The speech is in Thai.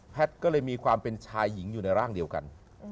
เป็นชายหญิงอยู่ในร่างเดียวกัน